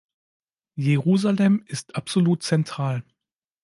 Jerusalem ist absolut zentral.